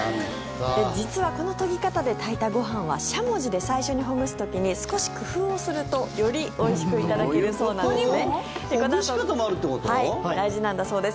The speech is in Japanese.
実は、この研ぎ方で炊いたご飯はしゃもじで最初にほぐす時に少し工夫をするとよりおいしくいただけるそうなんですね。